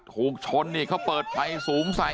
ถูกชนเนี่ยเค้าเปิดไปสูงใส